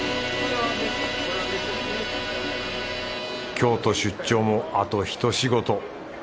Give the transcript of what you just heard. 京都出張もあとひと仕事。